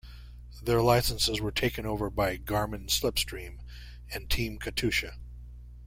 Their licenses were taken over by Garmin-Slipstream and Team Katusha.